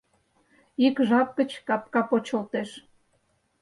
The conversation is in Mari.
Ик жап гыч капка почылтеш.